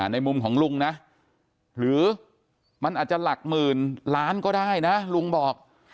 ในมุมของลุงนะหรือมันอาจจะหลักหมื่นล้านก็ได้นะลุงบอก